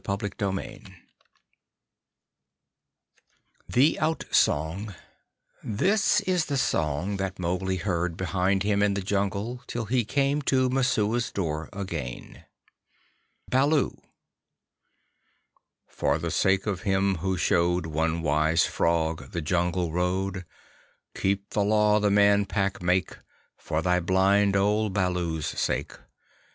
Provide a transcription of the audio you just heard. THE OUTSONG This is the song that Mowgli heard behind him in the Jungle till he came to Messua's door again: BALOO For the sake of him who showed One wise Frog the Jungle Road, Keep the Law the Man Pack make For thy blind old Baloo's sake!